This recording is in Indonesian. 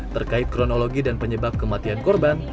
terkait kronologi dan penyebab kematian korban